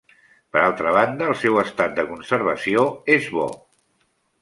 Per altra banda, el seu estat de conservació és bo.